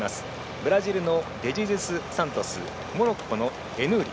ブラジルのデジェズスサントスモロッコのエヌーリ。